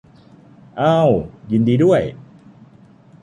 เอ้า ยินดีด้วย